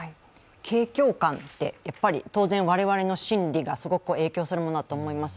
景況感って当然、我々の心理がすごく影響するものだと思います。